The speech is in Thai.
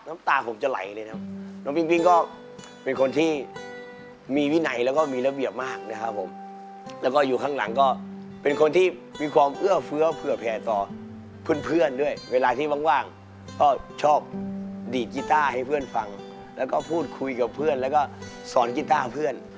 น้ำตาผมจะไหลเลยนะครับน้องปิ้งก็เป็นคนที่มีวินัยแล้วก็มีระเบียบมากนะครับผมแล้วก็อยู่ข้างหลังก็เป็นคนที่มีความเอื้อเฟื้อเผื่อแผ่ต่อเพื่อนเพื่อนด้วยเวลาที่ว่างก็ชอบดีดกีต้าให้เพื่อนฟังแล้วก็พูดคุยกับเพื่อนแล้วก็สอนกีต้าเพื่อน